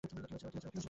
কী হয়েছে তোমার?